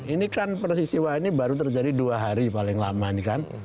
ini kan persistiwa ini baru terjadi dua hari paling lama ini kan